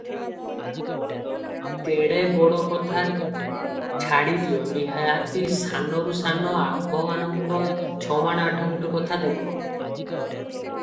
ତେଡ଼େ ବଡ଼ କଥା ଛାଡ଼ିଦିଅ, ନିହାତି ସାନରୁ ସାନ ଆମ୍ଭମାନଙ୍କ 'ଛମାଣ ଆଠଗୁଣ୍ଠ' କଥା ଦେଖ ।